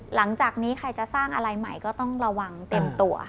หลังจากนี้ใครจะสร้างอะไรใหม่ก็ต้องระวังเต็มตัว